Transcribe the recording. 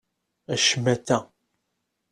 A ccmata!